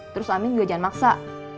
terus amin juga jangan maksa